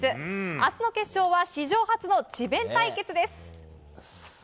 明日の決勝は史上初の智弁対決です。